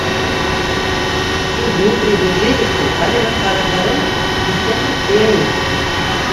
Тик Дмитрий Медведевтың ҡайһы бер ҡарарҙары һиҫкәндереп ҡуя ине.